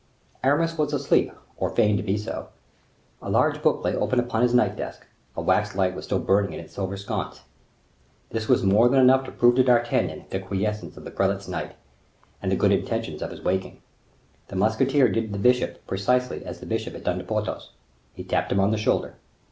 Aramis was asleep or feigned to be so. A large book lay open upon his night desk, a wax light was still burning in its silver sconce. This was more than enough to prove to D'Artagnan the quiescence of the prelate's night, and the good intentions of his waking. The musketeer did to the bishop precisely as the bishop had done to Porthos—he tapped him on the shoulder.